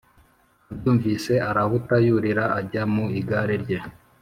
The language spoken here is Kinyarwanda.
abyumvise arahuta yurira ajya mu igare rye